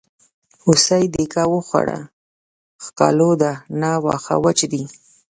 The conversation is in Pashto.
هوسۍ دیکه وخوړه ښکالو ده نه واښه وچ دي.